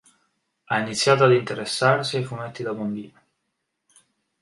Ha iniziato ad interessarsi ai fumetti da bambino.